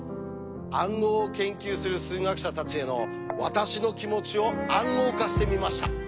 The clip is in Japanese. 暗号を研究する数学者たちへの私の気持ちを暗号化してみました。